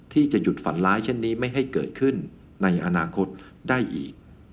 ที่จะหยุดฝันร้ายเช่นนี้ไม่ให้เกิดขึ้นในอนาคตได้อีก